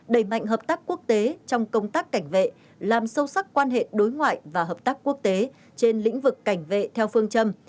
đẩy mạnh hợp tác quốc tế trong công tác cảnh vệ làm sâu sắc quan hệ đối ngoại và hợp tác quốc tế trên lĩnh vực cảnh vệ theo phương châm